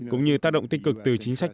cũng như tác động tích cực từ chính sách